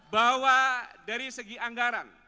bahwa dari segi anggaran